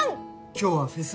今日はフェス